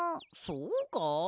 そうか？